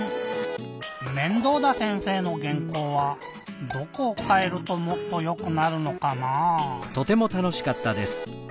面倒田先生のげんこうはどこをかえるともっとよくなるのかなぁ？